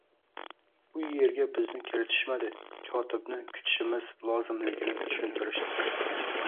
U erga bizni kiritishmadi, kotibni kutishimiz lozimligini tushuntirishdi